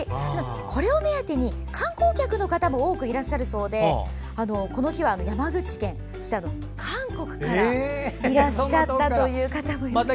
これを目当てに観光客の方も多くいらっしゃるそうでこの日は山口県そして韓国からいらっしゃった方もいました。